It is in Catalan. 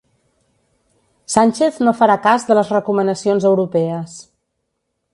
Sánchez no farà cas de les recomanacions europees